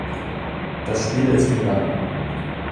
Das Spiel ist im Gange